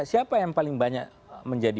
siapa yang paling banyak menjadi